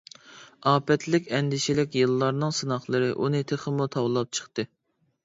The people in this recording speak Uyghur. ئاپەتلىك، ئەندىشىلىك يىللارنىڭ سىناقلىرى ئۇنى تېخىمۇ تاۋلاپ چىقتى.